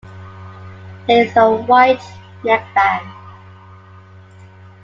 There is a white neckband.